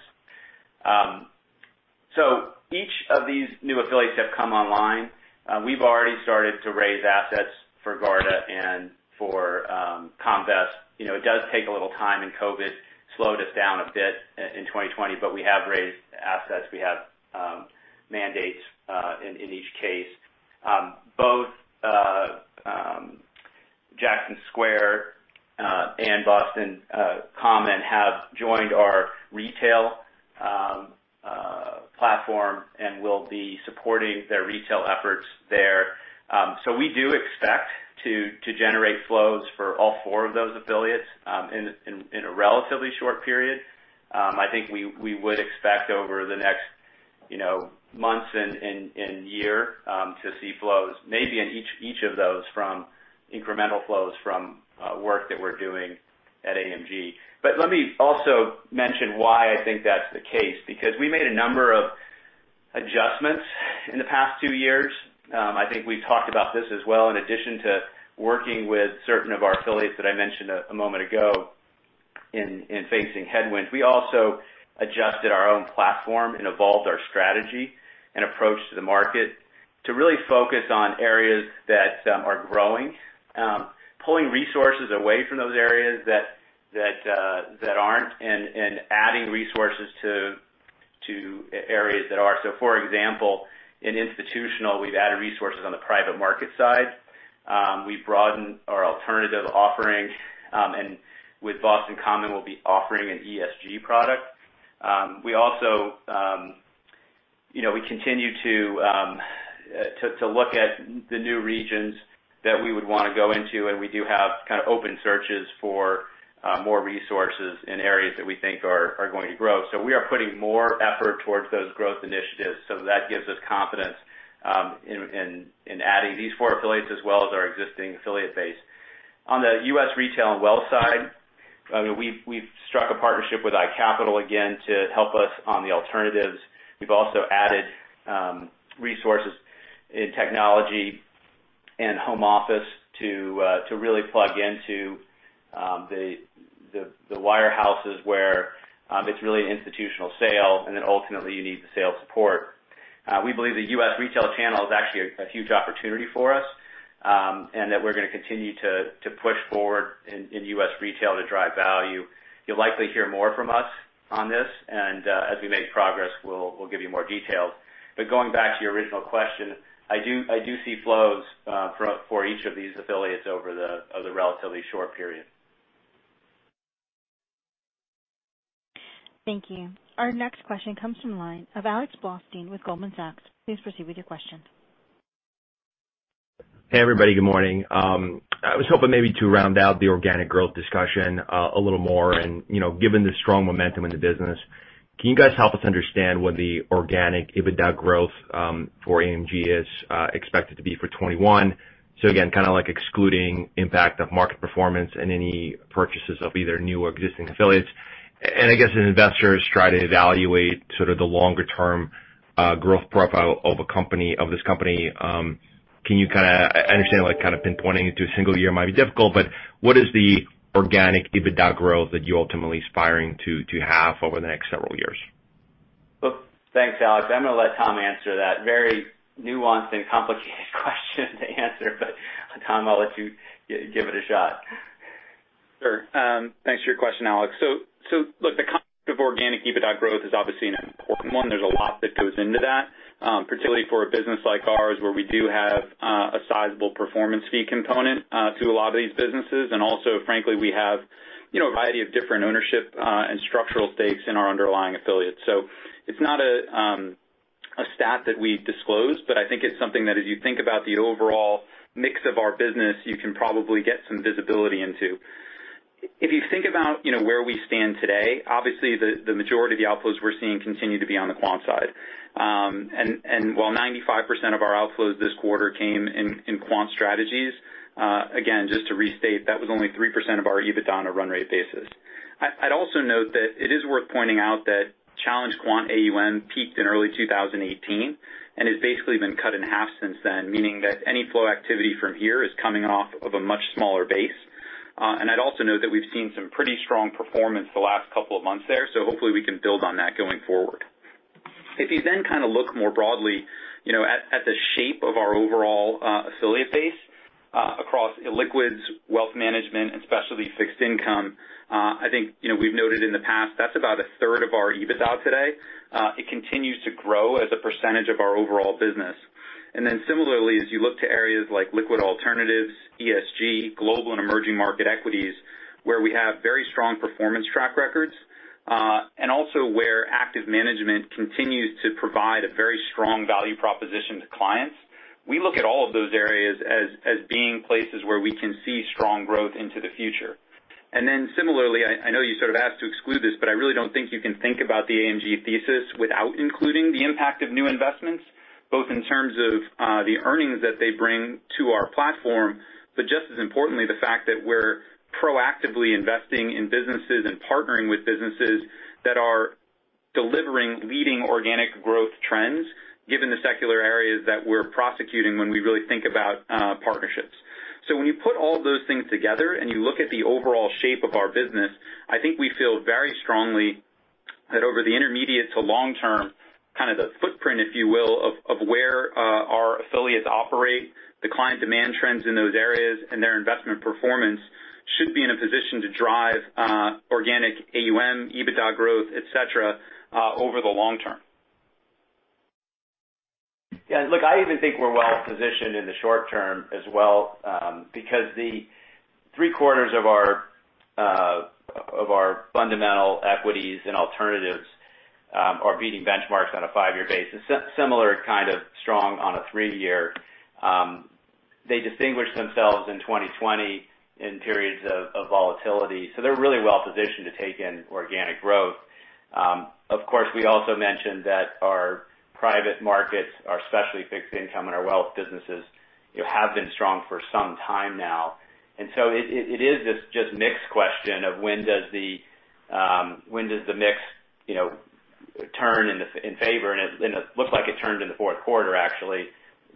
Each of these new affiliates have come online. We've already started to raise assets for Garda and for Comvest. It does take a little time, and COVID slowed us down a bit in 2020, but we have raised assets. We have mandates in each case. Both Jackson Square and Boston Common have joined our retail platform, and we'll be supporting their retail efforts there. We do expect to generate flows for all four of those affiliates in a relatively short period. I think we would expect over the next months and year to see flows maybe in each of those from incremental flows from work that we're doing at AMG. Let me also mention why I think that's the case, because we made a number of adjustments in the past two years. I think we've talked about this as well. In addition to working with certain of our affiliates that I mentioned a moment ago in facing headwinds, we also adjusted our own platform and evolved our strategy and approach to the market to really focus on areas that are growing, pulling resources away from those areas that aren't, and adding resources to areas that are. For example, in institutional, we've added resources on the private market side. We've broadened our alternative offering, and with Boston Common, we'll be offering an ESG product. We continue to look at the new regions that we would want to go into, and we do have kind of open searches for more resources in areas that we think are going to grow. We are putting more effort towards those growth initiatives, so that gives us confidence in adding these four affiliates as well as our existing affiliate base. On the U.S. retail and wealth side, we've struck a partnership with iCapital again to help us on the alternatives. We've also added resources in technology and home office to really plug into the wirehouses where it's really an institutional sale, and then ultimately you need the sales support. We believe the U.S. retail channel is actually a huge opportunity for us, and that we're going to continue to push forward in U.S. retail to drive value. You'll likely hear more from us on this, and as we make progress, we'll give you more details. Going back to your original question, I do see flows for each of these affiliates over the relatively short period. Thank you. Our next question comes from the line of Alex Blostein with Goldman Sachs. Please proceed with your question. Hey, everybody. Good morning. I was hoping maybe to round out the organic growth discussion a little more. Given the strong momentum in the business, can you guys help us understand what the organic EBITDA growth for AMG is expected to be for 2021? Again, excluding impact of market performance and any purchases of either new or existing affiliates. I guess as investors try to evaluate sort of the longer-term growth profile of this company, I understand pinpointing it to a single year might be difficult, but what is the organic EBITDA growth that you're ultimately aspiring to have over the next several years? Thanks, Alex. I'm going to let Tom answer that very nuanced and complicated question to answer. Tom, I'll let you give it a shot. Sure. Thanks for your question, Alex. Look, the concept of organic EBITDA growth is obviously an important one. There's a lot that goes into that, particularly for a business like ours where we do have a sizable performance fee component to a lot of these businesses. Also, frankly, we have a variety of different ownership and structural stakes in our underlying affiliates. It's not a stat that we disclose, but I think it's something that as you think about the overall mix of our business, you can probably get some visibility into. If you think about where we stand today, obviously the majority of the outflows we're seeing continue to be on the quant side. While 95% of our outflows this quarter came in quant strategies, again, just to restate, that was only 3% of our EBITDA on a run rate basis. I'd also note that it is worth pointing out that challenge quant AUM peaked in early 2018 and has basically been cut in half since then, meaning that any flow activity from here is coming off of a much smaller base. I'd also note that we've seen some pretty strong performance the last couple of months there, so hopefully we can build on that going forward. If you look more broadly at the shape of our overall affiliate base across liquids, wealth management, and specialty fixed income, I think we've noted in the past, that's about a third of our EBITDA today. It continues to grow as a percentage of our overall business. As you look to areas like liquid alternatives, ESG, global and emerging market equities, where we have very strong performance track records, and also where active management continues to provide a very strong value proposition to clients. We look at all of those areas as being places where we can see strong growth into the future. I know you sort of asked to exclude this, but I really don't think you can think about the AMG thesis without including the impact of new investments, both in terms of the earnings that they bring to our platform, but just as importantly, the fact that we're proactively investing in businesses and partnering with businesses that are delivering leading organic growth trends, given the secular areas that we're prosecuting when we really think about partnerships. When you put all of those things together and you look at the overall shape of our business, I think we feel very strongly that over the intermediate to long term, the footprint, if you will, of where our affiliates operate, the client demand trends in those areas, and their investment performance should be in a position to drive organic AUM, EBITDA growth, et cetera, over the long term. Yeah, look, I even think we're well positioned in the short term as well because the three-quarters of our fundamental equities and alternatives are beating benchmarks on a five-year basis. Similar kind of strong on a three-year. They distinguished themselves in 2020 in periods of volatility. They're really well positioned to take in organic growth. Of course, we also mentioned that our private markets, our specialty fixed income, and our wealth businesses have been strong for some time now. It is this just mix question of when does the mix turn in favor, and it looks like it turned in the fourth quarter, actually,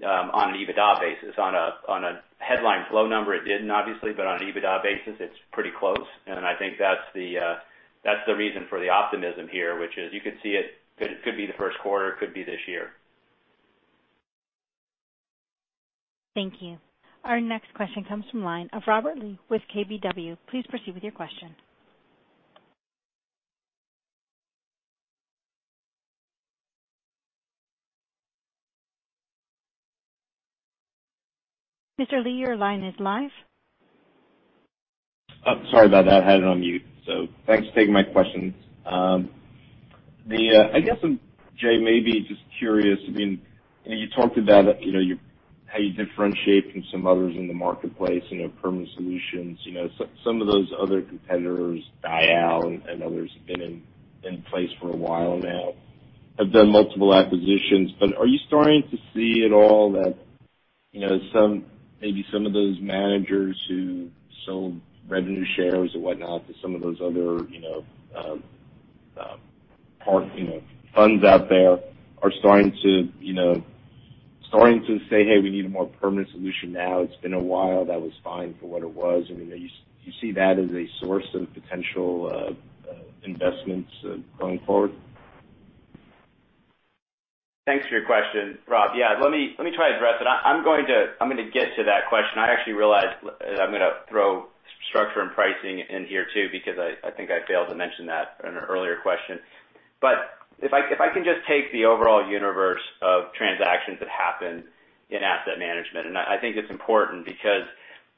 on an EBITDA basis. On a headline flow number, it didn't, obviously, but on an EBITDA basis, it's pretty close. I think that's the reason for the optimism here, which is you could see it could be the first quarter, could be this year. Thank you. Our next question comes from line of Robert Lee with KBW. Please proceed with your question. Mr. Lee, your line is live. Sorry about that. I had it on mute. Thanks for taking my questions. I guess, Jay, maybe just curious, you talked about how you differentiate from some others in the marketplace, permanent solutions. Some of those other competitors, Dyal and others, have been in place for a while now, have done multiple acquisitions. Are you starting to see at all that maybe some of those managers who sold revenue shares or whatnot to some of those other funds out there are starting to say, "Hey, we need a more permanent solution now. It's been a while. That was fine for what it was." Do you see that as a source of potential investments going forward? Thanks for your question, Robert. Yeah. Let me try to address it. I'm going to get to that question. I actually realized that I'm going to throw structure and pricing in here, too, because I think I failed to mention that in an earlier question. If I can just take the overall universe of transactions that happen in asset management, I think it's important because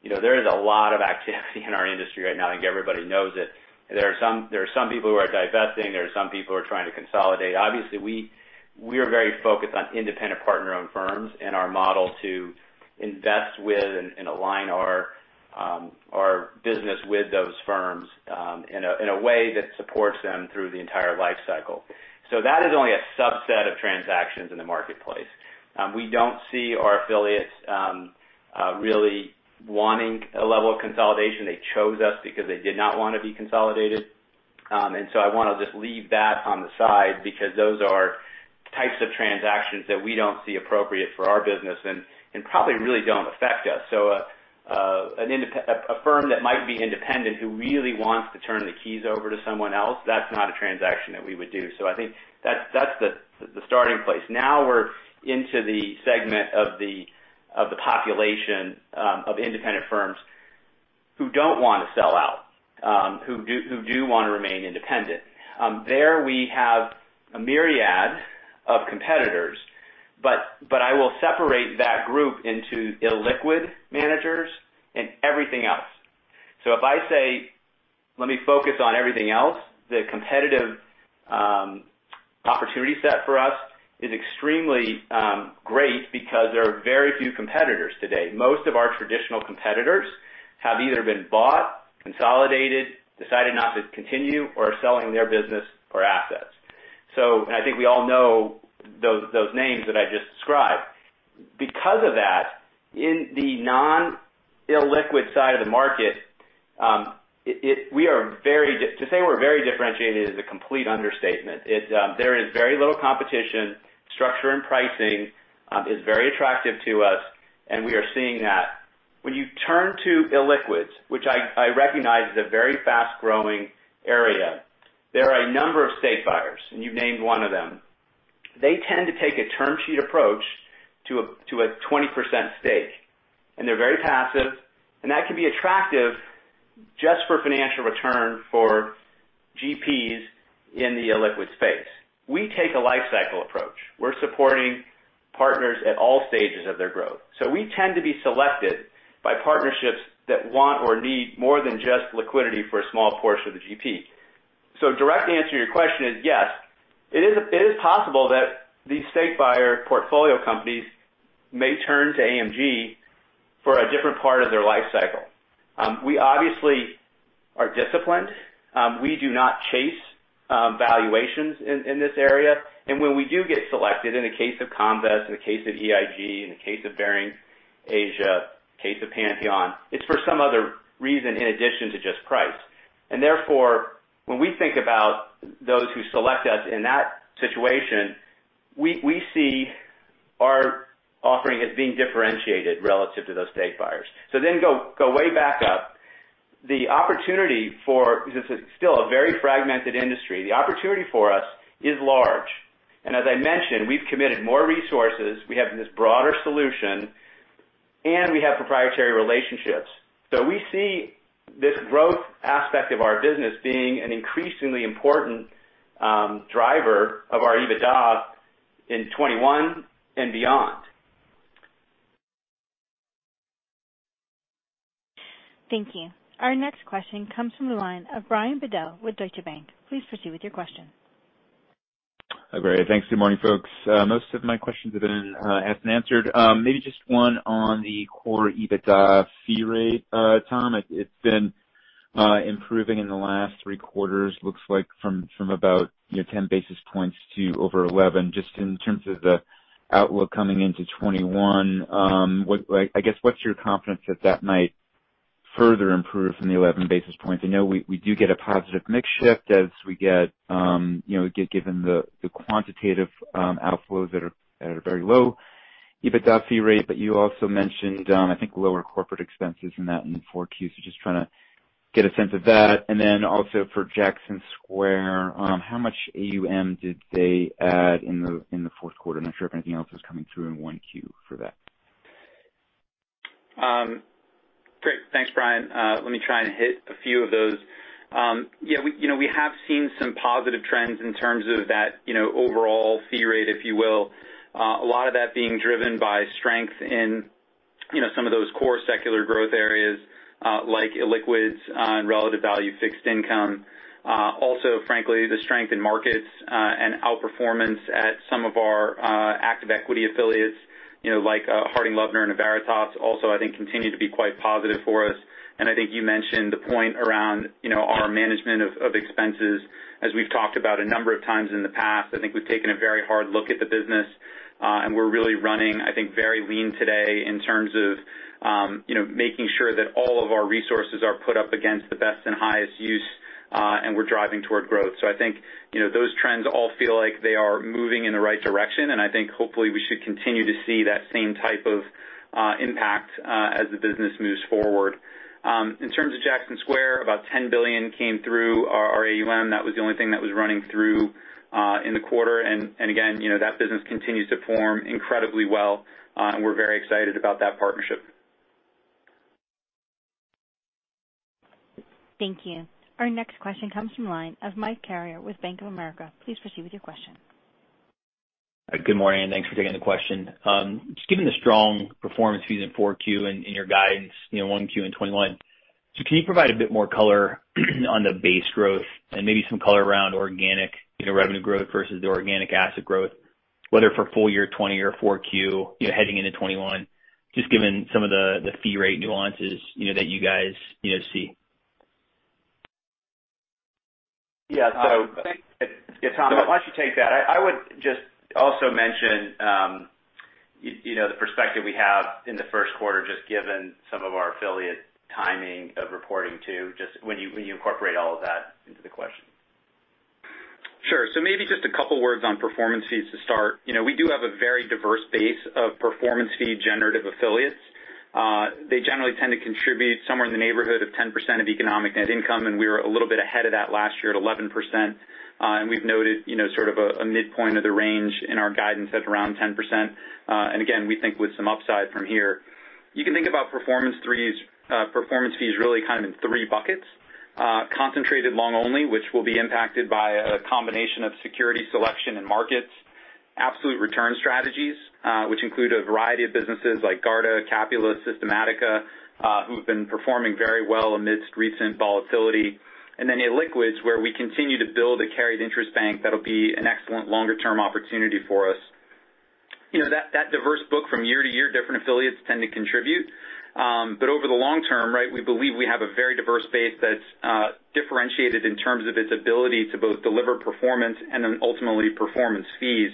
there is a lot of activity in our industry right now, and everybody knows it. There are some people who are divesting. There are some people who are trying to consolidate. Obviously, we are very focused on independent partner-owned firms and our model to invest with and align our business with those firms in a way that supports them through the entire life cycle. That is only a subset of transactions in the marketplace. We don't see our affiliates really wanting a level of consolidation. They chose us because they did not want to be consolidated. I want to just leave that on the side because those are types of transactions that we don't see appropriate for our business and probably really don't affect us. A firm that might be independent who really wants to turn the keys over to someone else, that's not a transaction that we would do. I think that's the starting place. Now we're into the segment of the population of independent firms who don't want to sell out, who do want to remain independent. There we have a myriad of competitors, but I will separate that group into illiquid managers and everything else. If I say, "Let me focus on everything else," the competitive opportunity set for us is extremely great because there are very few competitors today. Most of our traditional competitors have either been bought, consolidated, decided not to continue, or are selling their business or assets. I think we all know those names that I just described. In the non-illiquid side of the market, to say we're very differentiated is a complete understatement. There is very little competition. Structure and pricing is very attractive to us, and we are seeing that. When you turn to illiquids, which I recognize is a very fast-growing area, there are a number of stake buyers, and you've named one of them. They tend to take a term sheet approach to a 20% stake, and they're very passive, and that can be attractive just for financial return for GPs in the illiquid space. We take a life cycle approach. We're supporting partners at all stages of their growth. We tend to be selected by partnerships that want or need more than just liquidity for a small portion of the GP. Direct answer to your question is, yes, it is possible that these stake buyer portfolio companies may turn to AMG for a different part of their life cycle. We obviously are disciplined. We do not chase valuations in this area. When we do get selected, in the case of Comvest, in the case of EIG, in the case of Baring Asia, case of Pantheon, it's for some other reason in addition to just price. Therefore, when we think about those who select us in that situation, we see our offering as being differentiated relative to those stake buyers. Go way back up. This is still a very fragmented industry. The opportunity for us is large. As I mentioned, we've committed more resources, we have this broader solution, and we have proprietary relationships. We see this growth aspect of our business being an increasingly important driver of our EBITDA in 2021 and beyond. Thank you. Our next question comes from the line of Brian Bedell with Deutsche Bank. Please proceed with your question. Great. Thanks. Good morning, folks. Most of my questions have been asked and answered. Maybe just one on the core EBITDA fee rate, Tom. It's been improving in the last three quarters, looks like from about 10 basis points to over 11. Just in terms of the outlook coming into 2021, I guess, what's your confidence that that might further improve from the 11 basis points? I know we do get a positive mix shift as we get given the quantitative outflows that are at a very low EBITDA fee rate. You also mentioned, I think, lower corporate expenses in that in the Q4. Just trying to get a sense of that. Also for Jackson Square, how much AUM did they add in the fourth quarter? I'm not sure if anything else is coming through in Q1 for that. Great. Thanks, Brian. Let me try and hit a few of those. We have seen some positive trends in terms of that overall fee rate, if you will. A lot of that being driven by strength in some of those core secular growth areas like illiquids and relative value fixed income. Frankly, the strength in markets and out-performance at some of our. Active equity affiliates like Harding Loevner and Veritas also, I think, continue to be quite positive for us. I think you mentioned the point around our management of expenses. As we've talked about a number of times in the past, I think we've taken a very hard look at the business, and we're really running, I think, very lean today in terms of making sure that all of our resources are put up against the best and highest use, and we're driving toward growth. I think those trends all feel like they are moving in the right direction, and I think hopefully we should continue to see that same type of impact as the business moves forward. In terms of Jackson Square, about $10 billion came through our AUM. That was the only thing that was running through in the quarter. Again, that business continues to form incredibly well, and we're very excited about that partnership. Thank you. Our next question comes from the line of Mike Carrier with Bank of America. Please proceed with your question. Good morning, thanks for taking the question. Given the strong performance fee in Q4 and your guidance Q1 in 2021, can you provide a bit more color on the base growth and maybe some color around organic revenue growth versus the organic asset growth, whether for full year 2020 or Q4 heading into 2021, just given some of the fee rate nuances that you guys see? Yeah. I think, yeah, Tom, why don't you take that? I would just also mention the perspective we have in the first quarter, just given some of our affiliate timing of reporting too, just when you incorporate all of that into the question. Sure. Maybe just a couple of words on performance fees to start. We do have a very diverse base of performance fee-generative affiliates. They generally tend to contribute somewhere in the neighborhood of 10% of economic net income, and we were a little bit ahead of that last year at 11%. We've noted sort of a midpoint of the range in our guidance at around 10%. Again, we think with some upside from here. You can think about performance fees really kind of in three buckets. Concentrated long only, which will be impacted by a combination of security selection and markets. Absolute return strategies, which include a variety of businesses like Garda, Capula, Systematica, who've been performing very well amidst recent volatility. Then illiquids, where we continue to build a carried interest bank that'll be an excellent longer-term opportunity for us. That diverse book from year to year, different affiliates tend to contribute. Over the long term, we believe we have a very diverse base that's differentiated in terms of its ability to both deliver performance and then ultimately performance fees.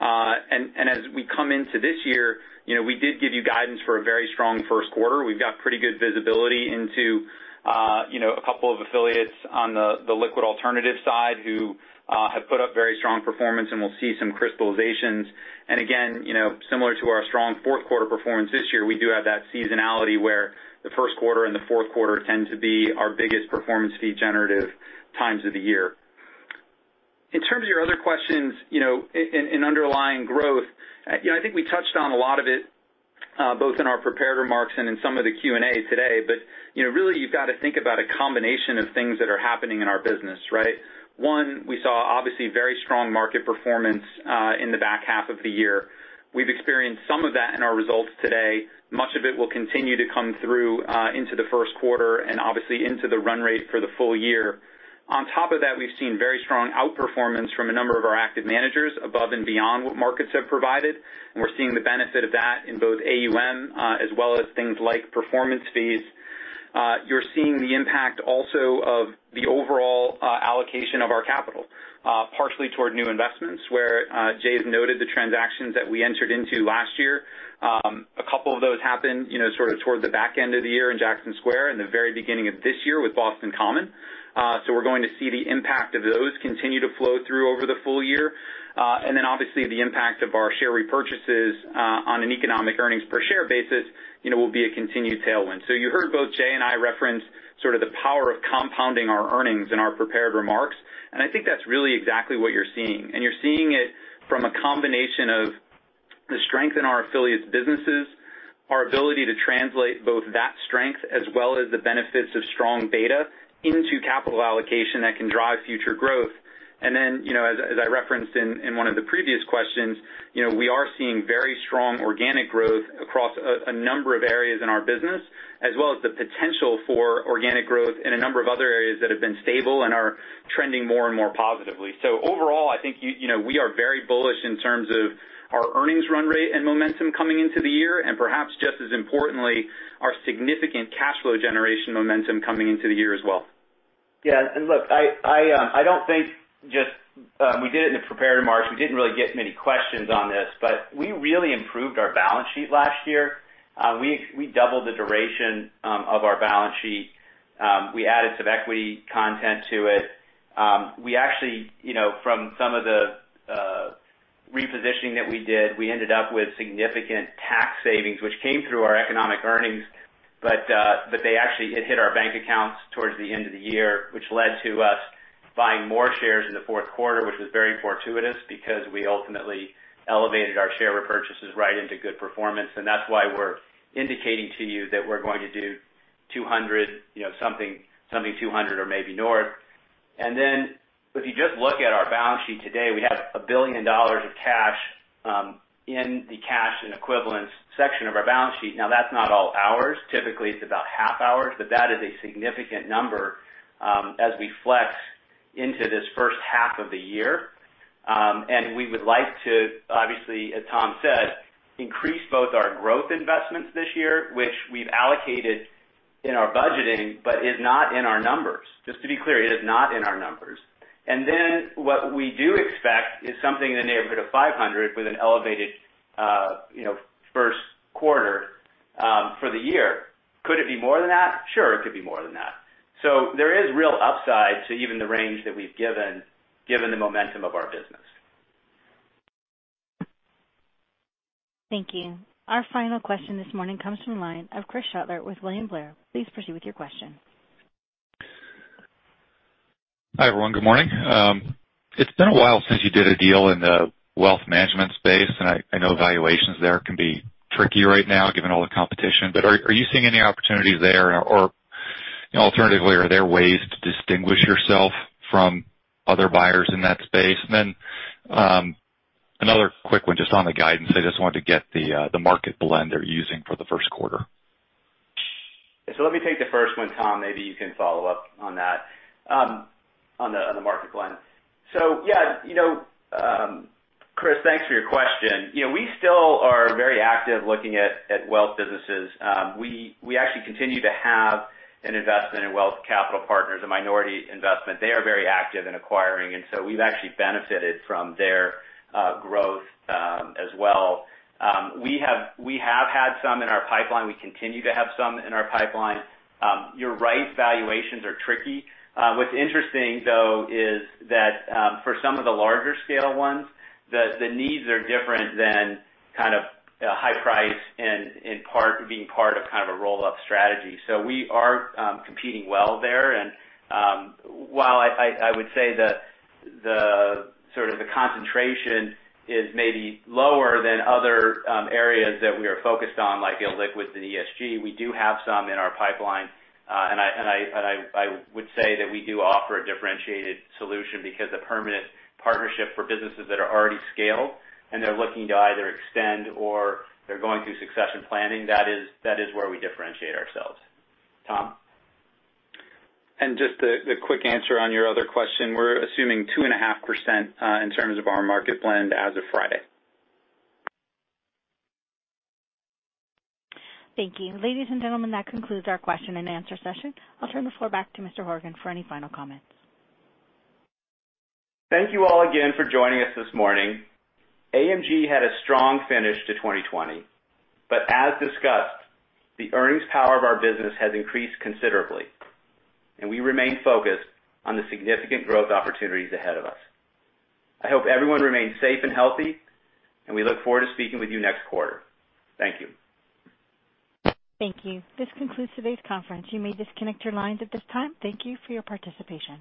As we come into this year, we did give you guidance for a very strong first quarter. We've got pretty good visibility into a couple of affiliates on the liquid alternative side who have put up very strong performance, and we'll see some crystallizations. Again, similar to our strong fourth quarter performance this year, we do have that seasonality where the first quarter and the fourth quarter tend to be our biggest performance fee generative times of the year. In terms of your other questions in underlying growth, I think we touched on a lot of it both in our prepared remarks and in some of the Q&A today. Really, you've got to think about a combination of things that are happening in our business, right? One, we saw obviously very strong market performance in the back half of the year. We've experienced some of that in our results today. Much of it will continue to come through into the first quarter and obviously into the run rate for the full year. On top of that, we've seen very strong out-performance from a number of our active managers above and beyond what markets have provided, and we're seeing the benefit of that in both AUM as well as things like performance fees. You're seeing the impact also of the overall allocation of our capital, partially toward new investments where Jay's noted the transactions that we entered into last year. A couple of those happened sort of towards the back end of the year in Jackson Square and the very beginning of this year with Boston Common. We're going to see the impact of those continue to flow through over the full year. Obviously the impact of our share repurchases on an economic earnings per share basis will be a continued tailwind. You heard both Jay and I reference sort of the power of compounding our earnings in our prepared remarks, and I think that's really exactly what you're seeing. You're seeing it from a combination of the strength in our affiliates' businesses, our ability to translate both that strength as well as the benefits of strong beta into capital allocation that can drive future growth. Then, as I referenced in one of the previous questions, we are seeing very strong organic growth across a number of areas in our business, as well as the potential for organic growth in a number of other areas that have been stable and are trending more and more positively. Overall, I think we are very bullish in terms of our earnings run rate and momentum coming into the year, and perhaps just as importantly, our significant cash flow generation momentum coming into the year as well. Yeah. Look, I don't think we did it in the prepared remarks. We didn't really get many questions on this, but we really improved our balance sheet last year. We doubled the duration of our balance sheet. We added some equity content to it. We actually, from some of the repositioning that we did, we ended up with significant tax savings, which came through our economic earnings, but they actually hit our bank accounts towards the end of the year, which led to us buying more shares in the fourth quarter, which was very fortuitous because we ultimately elevated our share repurchases right into good performance. That's why we're indicating to you that we're going to do 200, something 200 or maybe north. If you just look at our balance sheet today, we have $1 billion of cash in the cash and equivalents section of our balance sheet. That's not all ours. Typically, it's about half ours, but that is a significant number as we flex into this first half of the year. We would like to, obviously, as Tom said, increase both our growth investments this year, which we've allocated in our budgeting, but is not in our numbers. Just to be clear, it is not in our numbers. What we do expect is something in the neighborhood of $500 with an elevated first quarter for the year. Could it be more than that? Sure, it could be more than that. There is real upside to even the range that we've given the momentum of our business. Thank you. Our final question this morning comes from the line of Chris Shutler with William Blair. Please proceed with your question. Hi, everyone. Good morning. It's been a while since you did a deal in the wealth management space, and I know valuations there can be tricky right now given all the competition, but are you seeing any opportunities there? Alternatively, are there ways to distinguish yourself from other buyers in that space? Another quick one just on the guidance. I just wanted to get the market blend they're using for the first quarter. Let me take the first one, Tom, maybe you can follow up on that. On the market blend. Yeah, Chris, thanks for your question. We still are very active looking at wealth businesses. We actually continue to have an investment in Wealth Partners Capital Group, a minority investment. They are very active in acquiring, and we've actually benefited from their growth as well. We have had some in our pipeline. We continue to have some in our pipeline. You're right, valuations are tricky. What's interesting, though, is that for some of the larger scale ones, the needs are different than kind of high price and being part of kind of a roll-up strategy. We are competing well there. While I would say that the sort of the concentration is maybe lower than other areas that we are focused on, like illiquid and ESG, we do have some in our pipeline. I would say that we do offer a differentiated solution because a permanent partnership for businesses that are already scaled and they're looking to either extend or they're going through succession planning, that is where we differentiate ourselves. Tom? Just the quick answer on your other question. We're assuming 2.5% in terms of our market blend as of Friday. Thank you. Ladies and gentlemen, that concludes our question and answer session. I'll turn the floor back to Mr. Horgen for any final comments. Thank you all again for joining us this morning. AMG had a strong finish to 2020, but as discussed, the earnings power of our business has increased considerably, and we remain focused on the significant growth opportunities ahead of us. I hope everyone remains safe and healthy, and we look forward to speaking with you next quarter. Thank you. Thank you. This concludes today's conference. You may disconnect your lines at this time. Thank you for your participation.